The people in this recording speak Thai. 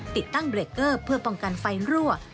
ติดตั้งเบรกเกอร์เพื่อป้องกันไฟรั่ว